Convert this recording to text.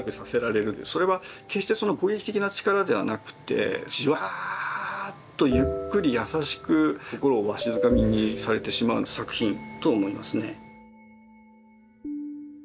それは決して攻撃的な力ではなくてじわっとゆっくり優しく心をわしづかみにされてしまう作品と思いますね。